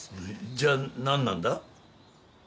じゃあ何なんだ？